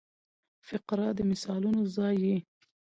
فقره د مثالونو ځای يي.